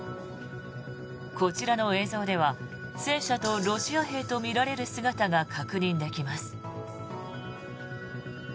こちらの映像では戦車とロシア兵とみられる姿が確認できます。